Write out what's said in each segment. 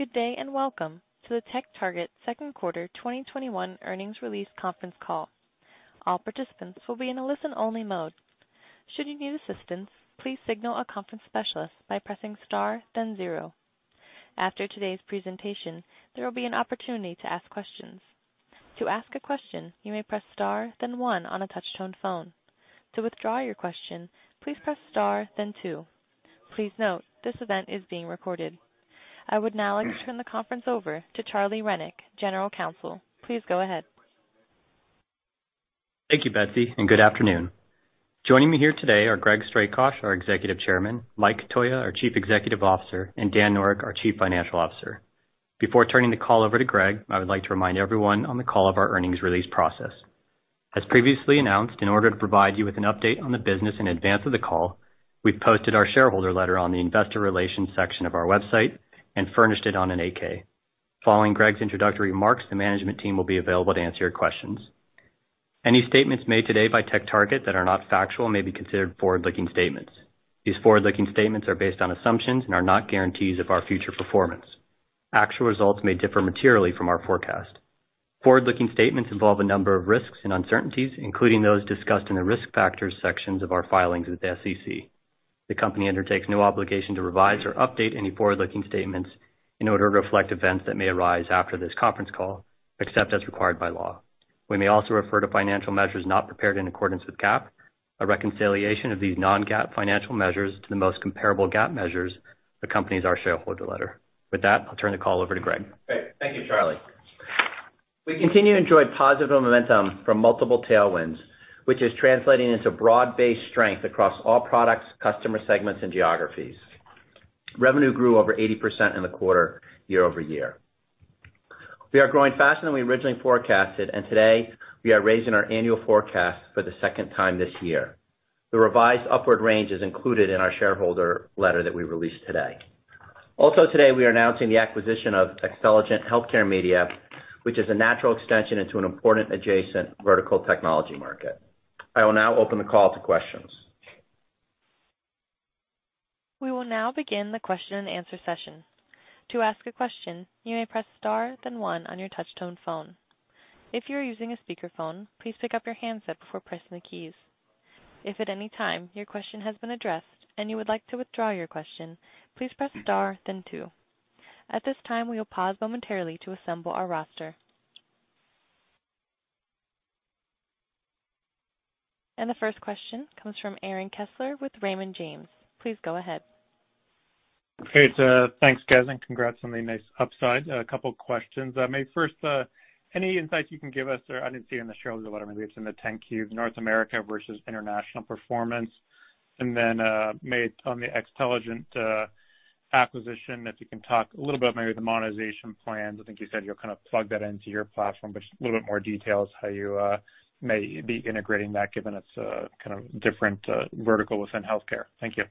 Good day, and welcome to the TechTarget Second Quarter 2021 Earnings Release Conference Call. All participants will be in a listen-only mode. Should you need assistance please signal a conference specialist by pressing star and zero. After today's presentation there will be an opportunity to ask question. To ask a question you may press star and one on the touch tone phone. To withdraw your question please press star and two. Please note, this event is being recorded. I would now like to turn the conference over to Charlie Rennick, General Counsel. Please go ahead. Thank you, Betsy, and good afternoon. Joining me here today are Greg Strakosch, our Executive Chairman, Mike Cotoia, our Chief Executive Officer, and Dan Noreck, our Chief Financial Officer. Before turning the call over to Greg, I would like to remind everyone on the call of our earnings release process. As previously announced, in order to provide you with an update on the business in advance of the call, we've posted our shareholder letter on the investor relations section of our website and furnished it on an 8-K. Following Greg's introductory remarks, the management team will be available to answer your questions. Any statements made today by TechTarget that are not factual may be considered forward-looking statements. These forward-looking statements are based on assumptions and are not guarantees of our future performance. Actual results may differ materially from our forecast. Forward-looking statements involve a number of risks and uncertainties, including those discussed in the Risk Factors sections of our filings with the SEC. The company undertakes no obligation to revise or update any forward-looking statements in order to reflect events that may arise after this conference call, except as required by law. We may also refer to financial measures not prepared in accordance with GAAP. A reconciliation of these non-GAAP financial measures to the most comparable GAAP measures accompanies our shareholder letter. With that, I'll turn the call over to Greg. Great. Thank you, Charlie. We continue to enjoy positive momentum from multiple tailwinds, which is translating into broad-based strength across all products, customer segments, and geographies. Revenue grew over 80% in the quarter year-over-year. We are growing faster than we originally forecasted, and today we are raising our annual forecast for the second time this year. The revised upward range is included in our shareholder letter that we released today. Also today, we are announcing the acquisition of Xtelligent Healthcare Media, which is a natural extension into an important adjacent vertical technology market. I will now open the call to questions. We will now begin the question and answer session. At this time, we will pause momentarily to assemble our roster. The first question comes from Aaron Kessler with Raymond James. Please go ahead. Okay. Thanks, guys, congrats on the nice upside. A couple of questions. First, any insights you can give us, or I didn't see in the shareholder letter, maybe it's in the 10-Q, North America versus international performance. Then, maybe on the Xtelligent acquisition, if you can talk a little bit maybe the monetization plans. I think you said you'll kind of plug that into your platform but a little bit more details how you may be integrating that, given it's kind of different vertical within healthcare. Thank you.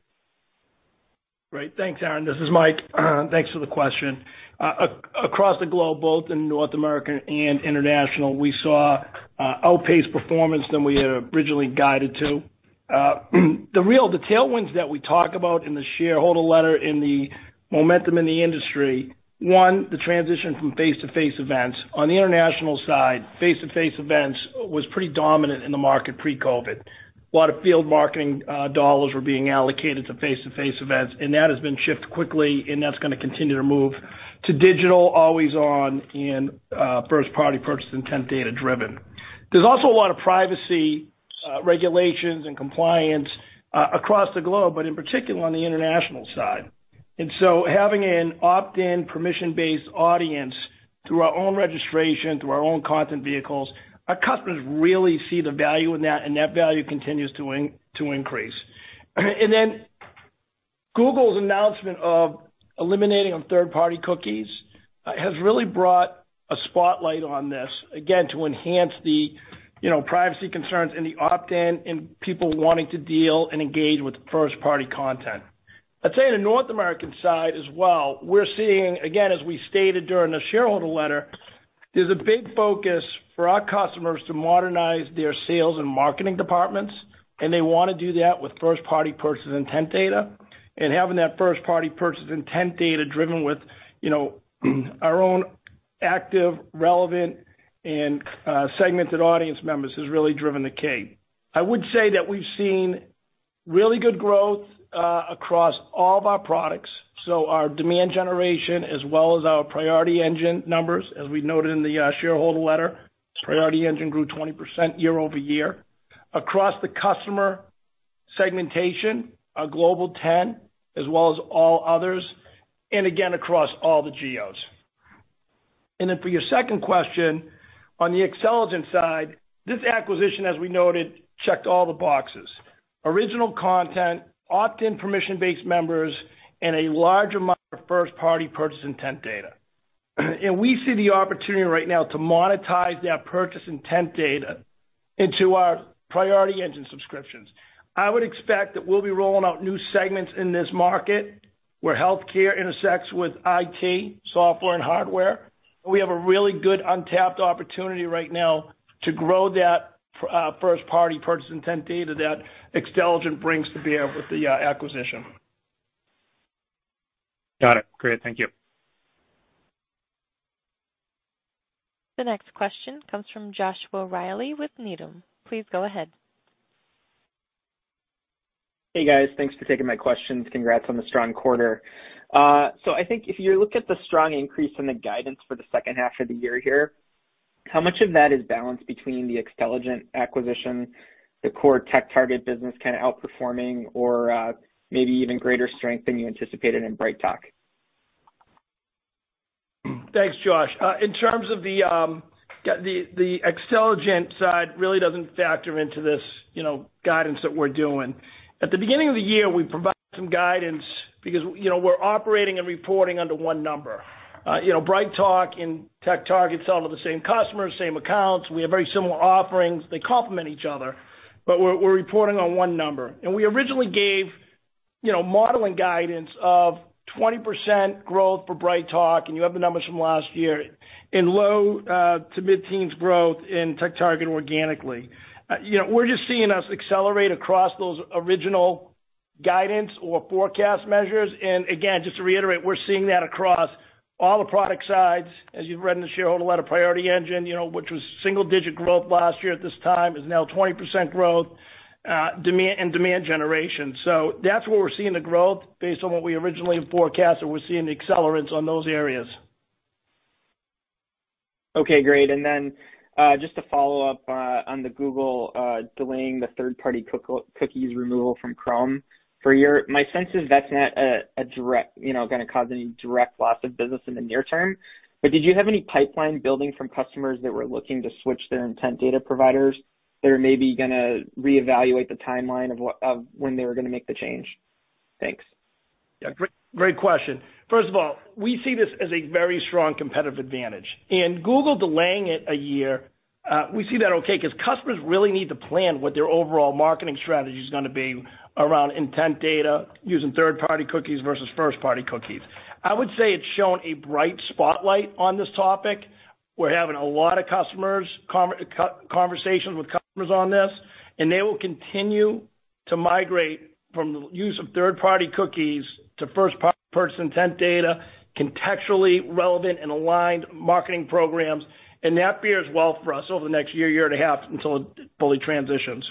Great. Thanks, Aaron. This is Mike. Thanks for the question. Across the globe, both in North America and international, we saw outpaced performance than we had originally guided to. The real tailwinds that we talk about in the shareholder letter in the momentum in the industry, one, the transition from face-to-face events. On the international side, face-to-face events was pretty dominant in the market pre-COVID. A lot of field marketing dollars were being allocated to face-to-face events, and that has been shifted quickly, and that's going to continue to move to digital always on and first-party purchase intent data-driven. There's also a lot of privacy regulations and compliance across the globe but in particular on the international side. Having an opt-in permission-based audience through our own registration, through our own content vehicles, our customers really see the value in that, and that value continues to increase. Google's announcement of eliminating on third-party cookies has really brought a spotlight on this, again, to enhance the privacy concerns and the opt-in and people wanting to deal and engage with first-party content. I'd say on the North American side as well, we're seeing, again, as we stated during the shareholder letter, there's a big focus for our customers to modernize their sales and marketing departments, and they want to do that with first-party purchase intent data. Having that first-party purchase intent data driven with our own active, relevant, and segmented audience members has really driven the cake. I would say that we've seen really good growth across all of our products. Our demand generation as well as our Priority Engine numbers, as we noted in the shareholder letter. Priority Engine grew 20% year-over-year. Across the customer segmentation, our Global 10, as well as all others, and again, across all the geos. Then for your second question, on the Xtelligent side, this acquisition, as we noted, checked all the boxes. Original content, opt-in permission-based members, and a large amount of first-party purchase intent data. We see the opportunity right now to monetize that purchase intent data into our Priority Engine subscriptions. I would expect that we'll be rolling out new segments in this market where healthcare intersects with IT, software, and hardware. We have a really good untapped opportunity right now to grow that first-party purchase intent data that Xtelligent brings to bear with the acquisition. Got it. Great. Thank you. The next question comes from Joshua Reilly with Needham. Please go ahead. Hey, guys. Thanks for taking my questions. Congrats on the strong quarter. I think if you look at the strong increase in the guidance for the second half of the year here, how much of that is balanced between the Xtelligent acquisition, the core TechTarget business kind of outperforming or maybe even greater strength than you anticipated in BrightTALK? Thanks, Joshua. In terms of the Xtelligent side, really doesn't factor into this guidance that we're doing. At the beginning of the year, we provided some guidance because we're operating and reporting under one number. BrightTALK and TechTarget sell to the same customers, same accounts. We have very similar offerings. They complement each other. We're reporting on one number. We originally gave modeling guidance of 20% growth for BrightTALK, and you have the numbers from last year, in low to mid-teens growth in TechTarget organically. We're just seeing us accelerate across those original guidance or forecast measures. Again, just to reiterate, we're seeing that across all the product sides, as you've read in the shareholder letter, Priority Engine, which was single-digit growth last year at this time, is now 20% growth and demand generation. That's where we're seeing the growth based on what we originally forecast, and we're seeing the accelerance on those areas. Okay, great. Just to follow up on the Google delaying the third-party cookies removal from Chrome. My sense is that's not going to cause any direct loss of business in the near term. Did you have any pipeline building from customers that were looking to switch their intent data providers that are maybe going to reevaluate the timeline of when they were going to make the change? Thanks. Yeah. Great question. First of all, we see this as a very strong competitive advantage. Google delaying it a year, we see that okay, because customers really need to plan what their overall marketing strategy is going to be around intent data using third-party cookies versus first-party cookies. I would say it's shown a bright spotlight on this topic. We're having a lot of conversations with customers on this, and they will continue to migrate from the use of third-party cookies to first-party purchase intent data, contextually relevant and aligned marketing programs, and that bodes well for us over the next year and a half, until it fully transitions.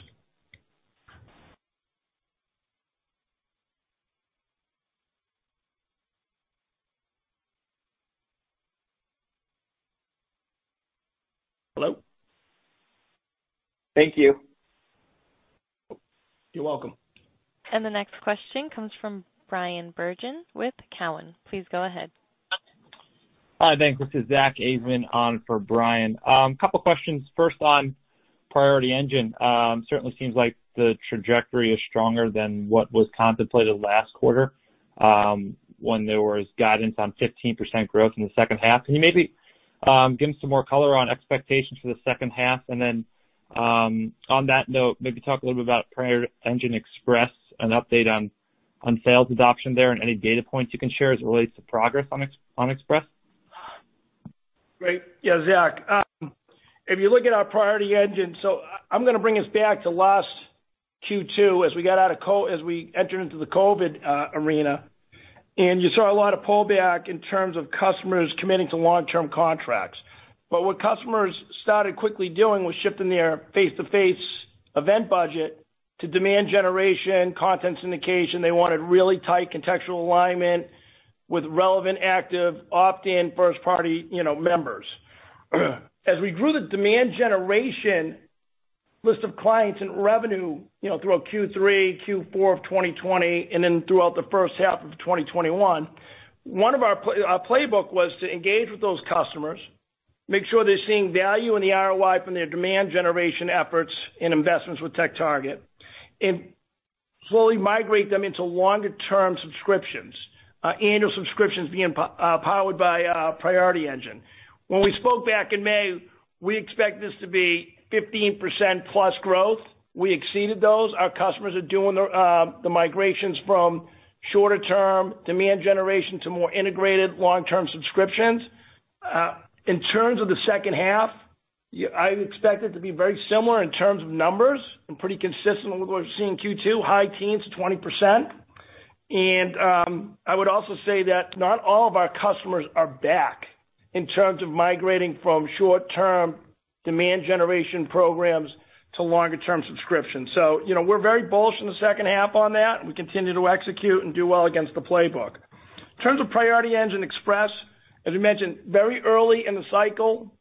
Hello? Thank you. You're welcome. The next question comes from Bryan Bergin with Cowen. Please go ahead. Hi, thanks. This is Zack Ajzenman on for Bryan. Couple questions. First on Priority Engine. Certainly seems like the trajectory is stronger than what was contemplated last quarter, when there was guidance on 15% growth in the second half. Can you maybe give some more color on expectations for the second half? Then, on that note, maybe talk a little bit about Priority Engine Express, an update on sales adoption there and any data points you can share as it relates to progress on Express. Great. Yeah, Zack, if you look at our Priority Engine, so I'm going to bring us back to last Q2 as we entered into the COVID arena, and you saw a lot of pullback in terms of customers committing to long-term contracts. What customers started quickly doing was shifting their face-to-face event budget to demand generation, content syndication. They wanted really tight contextual alignment with relevant, active, opt-in first-party members. As we grew the demand generation list of clients and revenue throughout Q3, Q4 of 2020, and then throughout the first half of 2021, our playbook was to engage with those customers, make sure they're seeing value in the ROI from their demand generation efforts and investments with TechTarget, and slowly migrate them into longer-term subscriptions, annual subscriptions being powered by Priority Engine. When we spoke back in May, we expect this to be 15%+ growth. We exceeded those. Our customers are doing the migrations from shorter term demand generation to more integrated long-term subscriptions. In terms of the second half, I expect it to be very similar in terms of numbers and pretty consistent with what we're seeing Q2, high teens to 20%. I would also say that not all of our customers are back in terms of migrating from short-term demand generation programs to longer-term subscriptions. We're very bullish on the second half on that, and we continue to execute and do well against the playbook. In terms of Priority Engine Express, as you mentioned, very early in the cycle,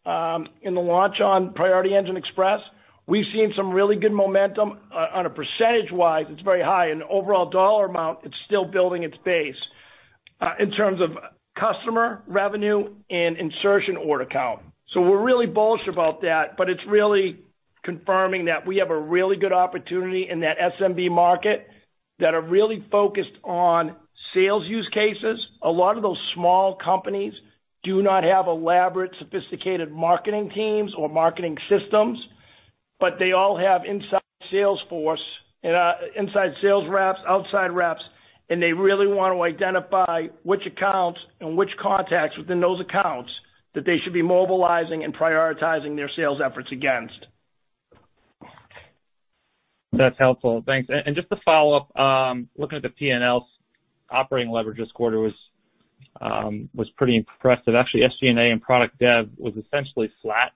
in the launch on Priority Engine Express, we've seen some really good momentum. On a percentage-wise, it's very high. In the overall dollar amount, it's still building its base in terms of customer revenue and insertion order count. We're really bullish about that but it's really confirming that we have a really good opportunity in that SMB market that are really focused on sales use cases. A lot of those small companies do not have elaborate, sophisticated marketing teams or marketing systems but they all have inside sales force and inside sales reps, outside reps. They really want to identify which accounts and which contacts within those accounts that they should be mobilizing and prioritizing their sales efforts against. That's helpful. Thanks. Just to follow up, looking at the P&Ls operating leverage this quarter was pretty impressive. Actually, SG&A and product dev was essentially flat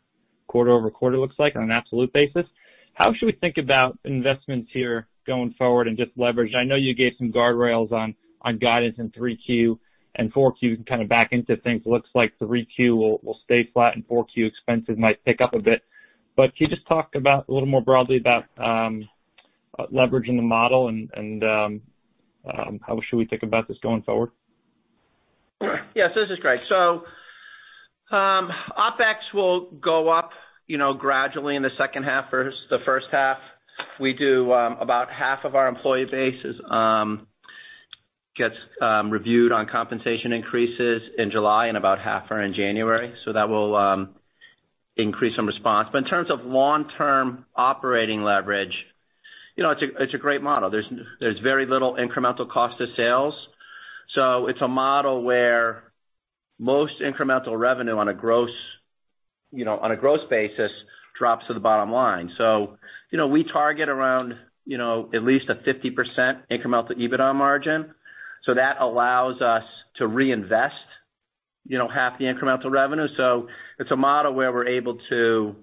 quarter-over-quarter, looks like, on an absolute basis. How should we think about investments here going forward and just leverage? I know you gave some guardrails on guidance in 3Q and 4Q. You can kind of back into things. It looks like 3Q will stay flat and 4Q expenses might pick up a bit. Can you just talk about, a little more broadly, about leveraging the model and how should we think about this going forward? Yes. This is Greg. OpEx will go up gradually in the second half versus the first half. We do about half of our employee base gets reviewed on compensation increases in July and about half are in January. That will increase in response. In terms of long-term operating leverage, it's a great model. There's very little incremental cost to sales. It's a model where most incremental revenue on a gross basis drops to the bottom line. We target around at least a 50% incremental EBITDA margin. That allows us to reinvest half the incremental revenue. It's a model where we're able to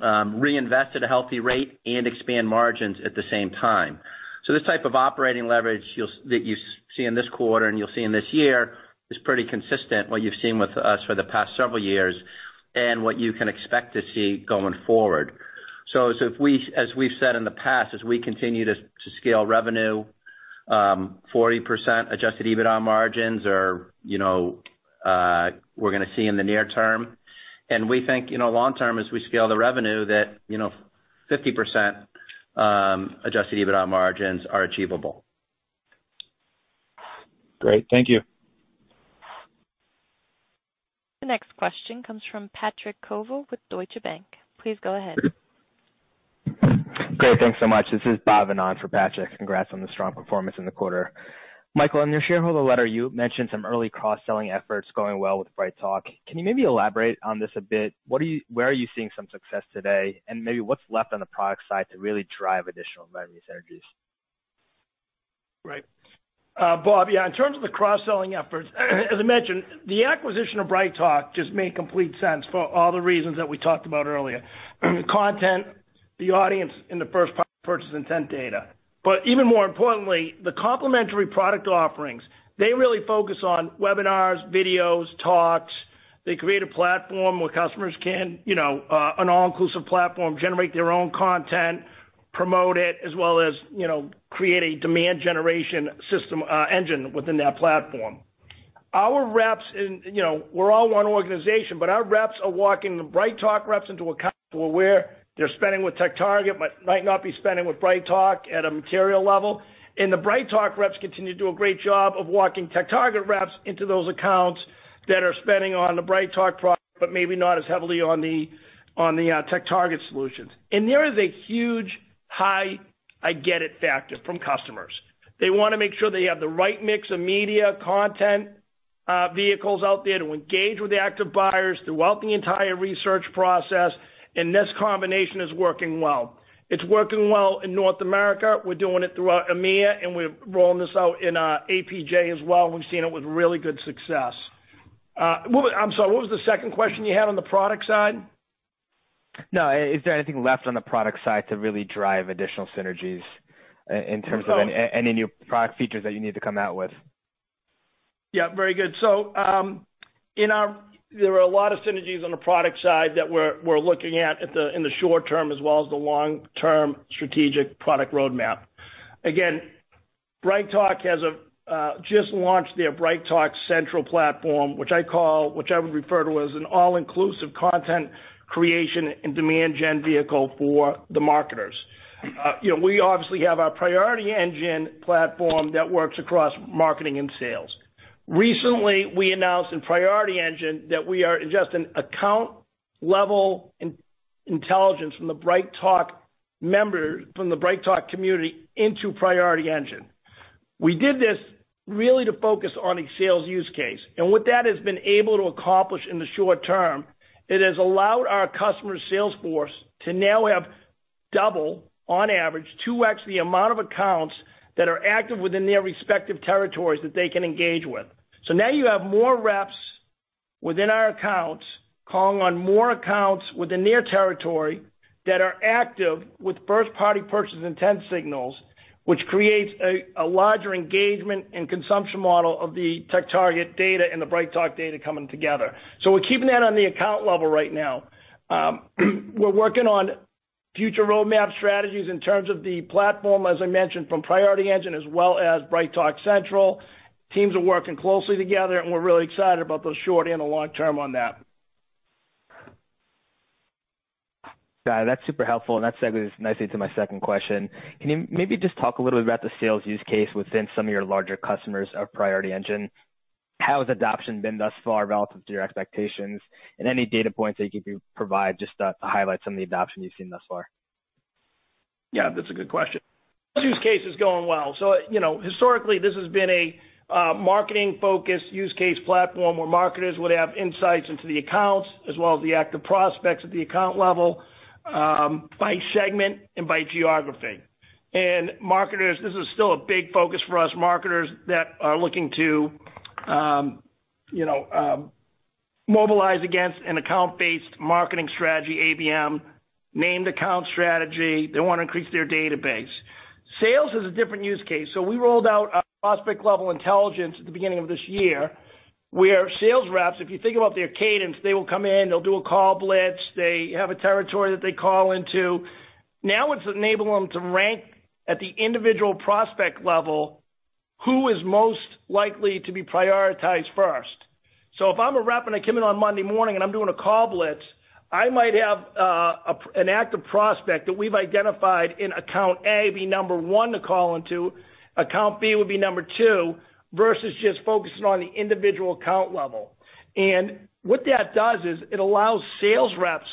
reinvest at a healthy rate and expand margins at the same time. This type of operating leverage that you see in this quarter and you'll see in this year is pretty consistent what you've seen with us for the past several years and what you can expect to see going forward. As we've said in the past, as we continue to scale revenue, 40% adjusted EBITDA margins we're going to see in the near term. We think, long term, as we scale the revenue, that 50% adjusted EBITDA margins are achievable. Great. Thank you. The next question comes from Patrick Colville with Deutsche Bank. Please go ahead. Great. Thanks so much. This is [Bob Anaj] for Patrick. Congrats on the strong performance in the quarter. Mike, in your shareholder letter, you mentioned some early cross-selling efforts going well with BrightTALK. Can you maybe elaborate on this a bit? Where are you seeing some success today? Maybe what's left on the product side to really drive additional revenue synergies? Right. Bob, yeah, in terms of the cross-selling efforts, as I mentioned, the acquisition of BrightTALK just made complete sense for all the reasons that we talked about earlier. The content, the audience, and the first-party purchase intent data. Even more importantly, the complementary product offerings, they really focus on webinars, videos, talks. They create a platform where customers can, an all-inclusive platform, generate their own content, promote it, as well as create a demand generation system engine within that platform. We're all one organization, but our reps are walking the BrightTALK reps into accounts where they're spending with TechTarget but might not be spending with BrightTALK at a material level. The BrightTALK reps continue to do a great job of walking TechTarget reps into those accounts that are spending on the BrightTALK product, but maybe not as heavily on the TechTarget solutions. There is a huge high I get it factor from customers. They want to make sure they have the right mix of media content, vehicles out there to engage with the active buyers throughout the entire research process. This combination is working well. It's working well in North America. We're doing it throughout EMEA. We're rolling this out in APJ as well. We've seen it with really good success. I'm sorry, what was the second question you had on the product side? No, is there anything left on the product side to really drive additional synergies in terms of any new product features that you need to come out with? Yeah, very good. There are a lot of synergies on the product side that we're looking at in the short term as well as the long-term strategic product roadmap. Again, BrightTALK has just launched their BrightTALK Central platform, which I would refer to as an all-inclusive content creation and demand gen vehicle for the marketers. We obviously have our Priority Engine platform that works across marketing and sales. Recently, we announced in Priority Engine that we are ingesting account level intelligence from the BrightTALK members from the BrightTALK community into Priority Engine. We did this really to focus on a sales use case. What that has been able to accomplish in the short term, it has allowed our customer sales force to now have double on average, 2x the amount of accounts that are active within their respective territories that they can engage with. Now you have more reps within our accounts calling on more accounts within their territory that are active with first-party purchase intent signals, which creates a larger engagement and consumption model of the TechTarget data and the BrightTALK data coming together. We're keeping that on the account level right now. We're working on future roadmap strategies in terms of the platform, as I mentioned, from Priority Engine as well as BrightTALK Central. Teams are working closely together, and we're really excited about those short and the long term on that. Got it. That's super helpful. That segues nicely to my second question. Can you maybe just talk a little bit about the sales use case within some of your larger customers of Priority Engine? How has adoption been thus far relative to your expectations? Any data points that you can provide just to highlight some of the adoption you've seen thus far? Yeah, that's a good question. Sales use case is going well. Historically, this has been a marketing-focused use case platform where marketers would have insights into the accounts as well as the active prospects at the account level, by segment and by geography. Marketers, this is still a big focus for us, marketers that are looking to mobilize against an account-based marketing strategy, ABM, named account strategy, they want to increase their database. Sales is a different use case. We rolled out our prospect level intelligence at the beginning of this year, where sales reps, if you think about their cadence, they will come in, they'll do a call blitz, they have a territory that they call into. Now it's enabling them to rank at the individual prospect level, who is most likely to be prioritized first. If I'm a rep and I come in on Monday morning and I'm doing a call blitz, I might have an active prospect that we've identified in account A, be number one to call into, account B would be number two, versus just focusing on the individual account level. What that does is it allows sales reps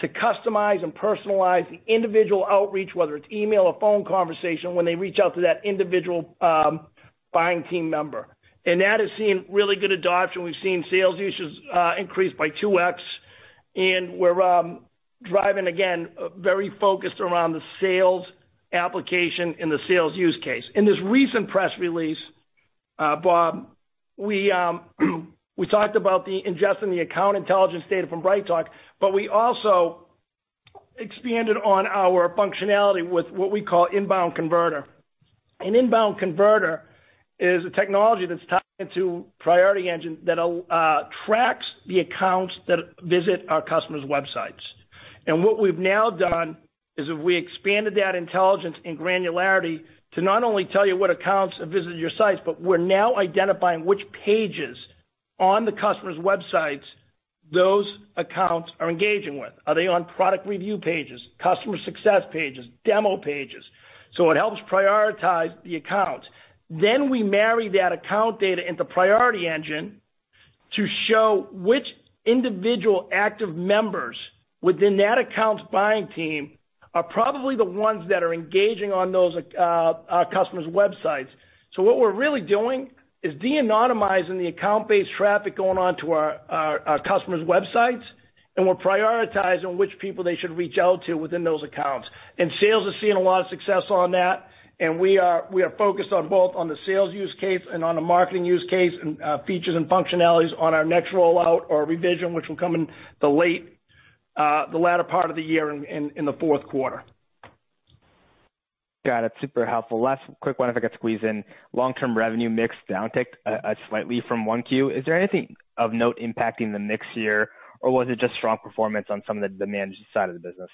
to customize and personalize the individual outreach, whether it's email or phone conversation, when they reach out to that individual buying team member. That has seen really good adoption. We've seen sales usage increase by 2x, and we're driving, again, very focused around the sales application and the sales use case. In this recent press release, Bob, we talked about ingesting the account intelligence data from BrightTALK, but we also expanded on our functionality with what we call Inbound Converter. An Inbound Converter is a technology that's tied into Priority Engine that tracks the accounts that visit our customers' websites. What we've now done is we expanded that intelligence in granularity to not only tell you what accounts have visited your sites, but we're now identifying which pages on the customer's websites those accounts are engaging with. Are they on product review pages, customer success pages, demo pages? It helps prioritize the accounts. We marry that account data into Priority Engine to show which individual active members within that account's buying team are probably the ones that are engaging on those customers' websites. What we're really doing is de-anonymizing the account-based traffic going on to our customers' websites, and we're prioritizing which people they should reach out to within those accounts. Sales is seeing a lot of success on that, and we are focused on both on the sales use case and on the marketing use case, and features and functionalities on our next rollout or revision, which will come in the latter part of the year in the fourth quarter. Got it. Super helpful. Last quick one, if I could squeeze in. Long-term revenue mix downticked slightly from 1Q. Is there anything of note impacting the mix here, or was it just strong performance on some of the managed side of the business?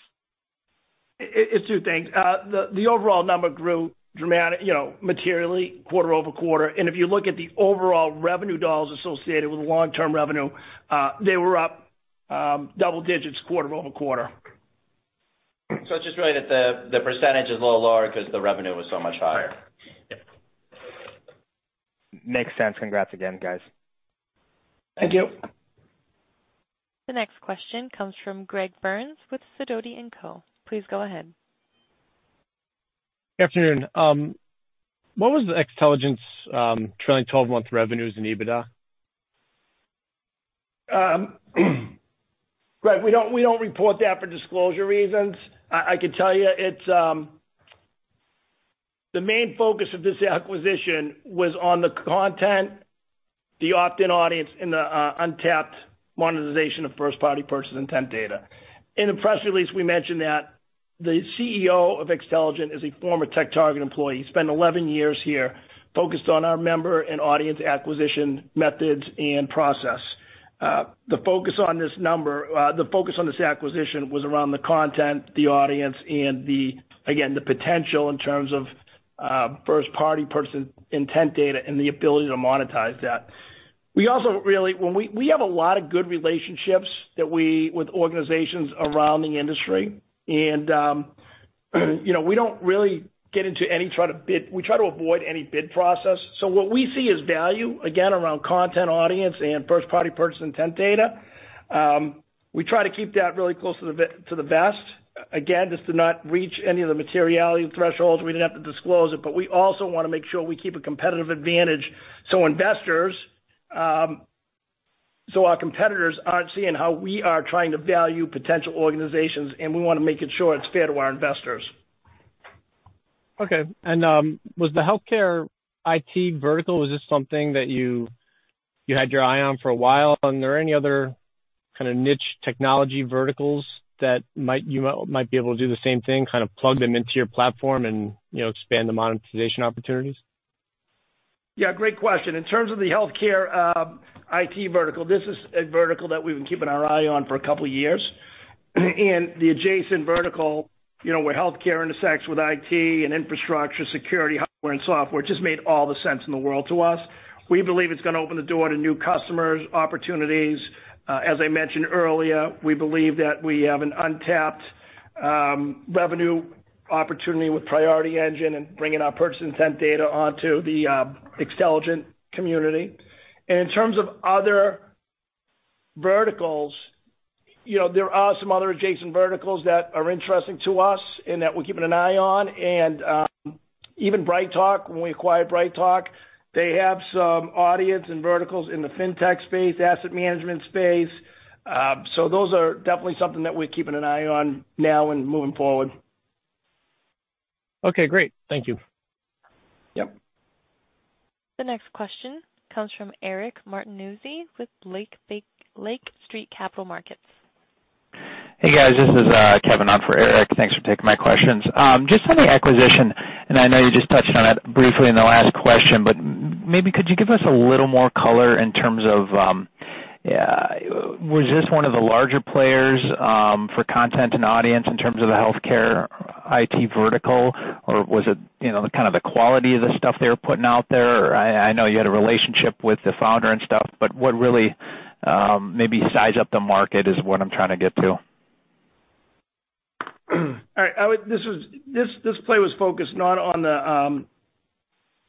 It's two things. The overall number grew materially quarter-over-quarter. If you look at the overall revenue dollars associated with long-term revenue, they were up double digits quarter-over-quarter. It's just really that the percentage is a little lower because the revenue was so much higher. Yep. Makes sense. Congrats again, guys. Thank you. The next question comes from Greg Burns with Sidoti & Company. Please go ahead. Good afternoon. What was the Xtelligent trailing 12-month revenues and EBITDA? Greg, we don't report that for disclosure reasons. I can tell you, the main focus of this acquisition was on the content, the opt-in audience, and the untapped monetization of first-party purchase intent data. In the press release, we mentioned that the CEO of Xtelligent is a former TechTarget employee. He spent 11 years here focused on our member and audience acquisition methods and process. The focus on this acquisition was around the content, the audience, and again, the potential in terms of first-party purchase intent data and the ability to monetize that. We have a lot of good relationships with organizations around the industry, and we try to avoid any bid process. What we see as value, again, around content, audience, and first-party purchase intent data, we try to keep that really close to the vest. Just to not reach any of the materiality thresholds where we'd have to disclose it, but we also want to make sure we keep a competitive advantage so our competitors aren't seeing how we are trying to value potential organizations, and we want to make it sure it's fair to our investors. Okay. Was the healthcare IT vertical, was this something that you had your eye on for a while? Are there any other kind of niche technology verticals that you might be able to do the same thing, kind of plug them into your platform and expand the monetization opportunities? Yeah, great question. In terms of the healthcare IT vertical, this is a vertical that we've been keeping our eye on for a couple of years. The adjacent vertical, where healthcare intersects with IT and infrastructure security, hardware, and software, just made all the sense in the world to us. We believe it's going to open the door to new customers, opportunities. As I mentioned earlier, we believe that we have an untapped revenue opportunity with Priority Engine and bringing our purchase intent data onto the Xtelligent community. In terms of other verticals, there are some other adjacent verticals that are interesting to us and that we're keeping an eye on. Even BrightTALK, when we acquired BrightTALK, they have some audience and verticals in the fintech space, asset management space. Those are definitely something that we're keeping an eye on now and moving forward. Okay, great. Thank you. Yep. The next question comes from Eric Martinuzzi with Lake Street Capital Markets. Hey, guys, this is Kevin on for Eric. Thanks for taking my questions. Just on the acquisition, and I know you just touched on it briefly in the last question, but maybe could you give us a little more color in terms of, was this one of the larger players for content and audience in terms of the healthcare IT vertical, or was it kind of the quality of the stuff they were putting out there? I know you had a relationship with the founder and stuff but what really maybe size up the market is what I'm trying to get to. All right. This play was focused not on the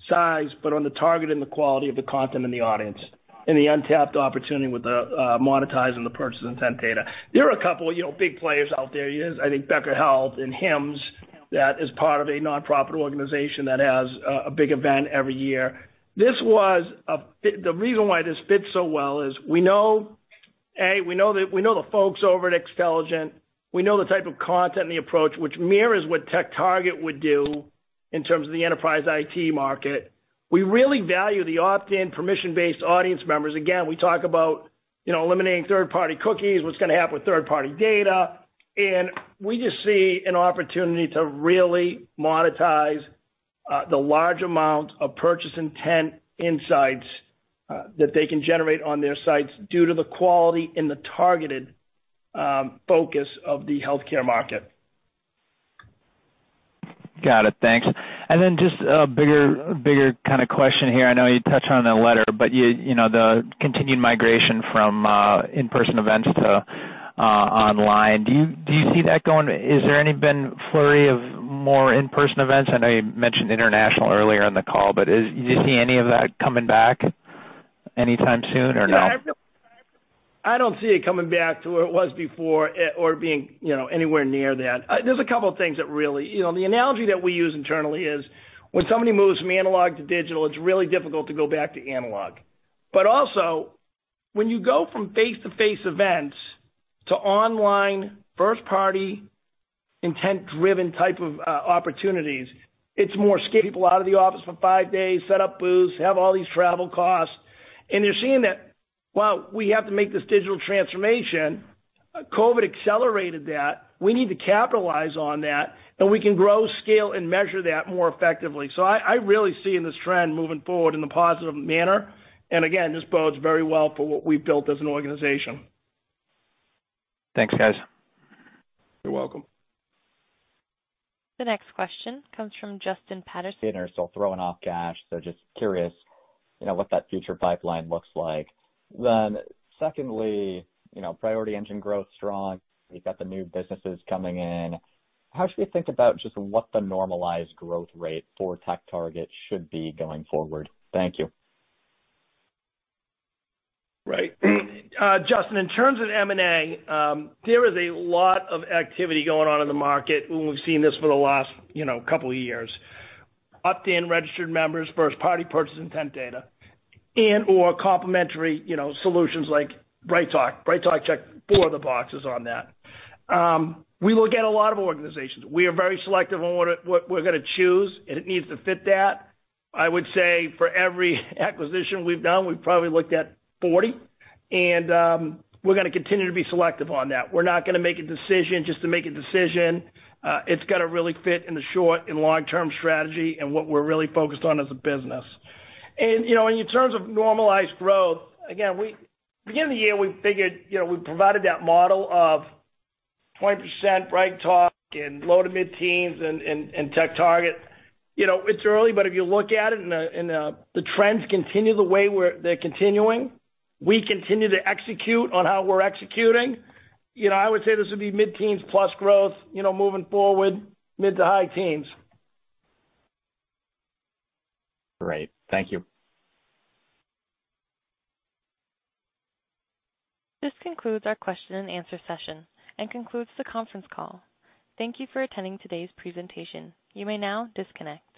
size but on the target and the quality of the content and the audience, and the untapped opportunity with the monetize and the purchase intent data. There are a couple big players out there. I think Becker's Healthcare and HIMSS, that is part of a nonprofit organization that has a big event every year. The reason why this fits so well is we know A, we know the folks over at Xtelligent. We know the type of content and the approach which mirrors what TechTarget would do in terms of the enterprise IT market. We really value the opt-in permission-based audience members. Again, we talk about eliminating third-party cookies, what's going to happen with third-party data. We just see an opportunity to really monetize the large amount of purchase intent insights that they can generate on their sites due to the quality and the targeted focus of the healthcare market. Got it. Thanks. Just a bigger kind of question here. I know you touched on it in the letter, the continued migration from in-person events to online. Do you see that Is there any been flurry of more in-person events? I know you mentioned international earlier in the call, do you see any of that coming back anytime soon or no? I don't see it coming back to where it was before or being anywhere near that. There's a couple of things. The analogy that we use internally is when somebody moves from analog to digital, it's really difficult to go back to analog. Also when you go from face-to-face events to online first-party intent-driven type of opportunities, it's more scale out of the office for five days, set up booths, have all these travel costs. They're seeing that while we have to make this digital transformation, COVID accelerated that. We need to capitalize on that, and we can grow, scale, and measure that more effectively. I really seeing this trend moving forward in a positive manner. Again, this bodes very well for what we've built as an organization. Thanks, guys. You're welcome. The next question comes from Justin Patterson. Throwing off cash. Just curious, what that future pipeline looks like. Secondly, Priority Engine growth's strong. You've got the new businesses coming in. How should we think about just what the normalized growth rate for TechTarget should be going forward? Thank you. Right. Justin, in terms of M&A, there is a lot of activity going on in the market, and we've seen this for the last couple of years. Opt-in registered members, first-party purchase intent data, and/or complementary solutions like BrightTALK. BrightTALK checked four of the boxes on that. We look at a lot of organizations. We are very selective on what we're going to choose, and it needs to fit that. I would say for every acquisition we've done, we've probably looked at 40, and we're going to continue to be selective on that. We're not going to make a decision just to make a decision. It's got to really fit in the short and long-term strategy and what we're really focused on as a business. In terms of normalized growth, again, beginning of the year, we figured we provided that model of 20% BrightTALK and low to mid-teens in TechTarget. It's early, but if you look at it and the trends continue the way they're continuing, we continue to execute on how we're executing. I would say this would be mid-teens plus growth, moving forward mid to high teens. Great. Thank you. This concludes our question and answer session and concludes the conference call. Thank you for attending today's presentation. You may now disconnect.